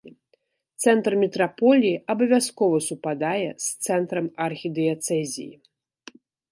Цэнтр мітраполіі абавязкова супадае з цэнтрам архідыяцэзіі.